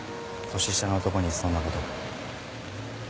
年下の男にそんなこと。